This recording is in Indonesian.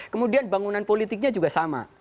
kemudian bangunan politiknya juga sama